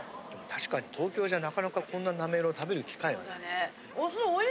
確かに東京じゃなかなかこんななめろう食べる機会はない。